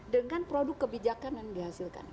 dengan produk kebijakan yang dihasilkan